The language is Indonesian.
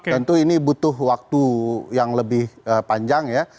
tentu ini butuh waktu yang lebih panjang ya